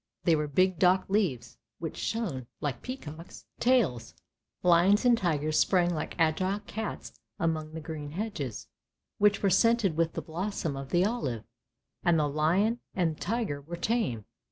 They were big dock leaves, which shone like peacock's tails. Lions and tigers sprang like agile cats among the green hedges, which were scented with the blossom of the olive, and the lion and the tiger were tame.